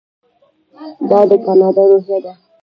دا د کاناډا روحیه ده.